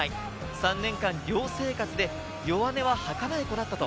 ３年間寮生活で弱音は吐かない子だった。